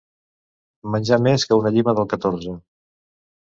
Menjar més que una llima del catorze.